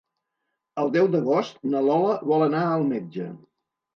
El deu d'agost na Lola vol anar al metge.